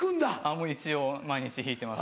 もう一応毎日弾いてます